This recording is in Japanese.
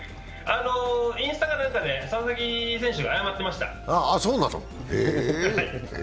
インスタかなんかで佐々木選手が謝ってました。